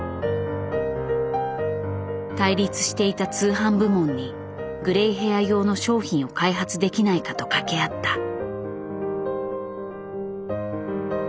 対立していた通販部門にグレイヘア用の商品を開発できないかと掛け合った。